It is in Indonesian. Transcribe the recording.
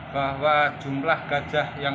bahwa jumlah gajah yang